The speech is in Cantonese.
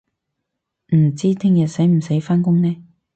唔知聽日使唔使返工呢